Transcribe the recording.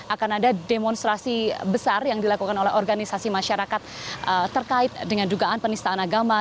akan ada demonstrasi besar yang dilakukan oleh organisasi masyarakat terkait dengan dugaan penistaan agama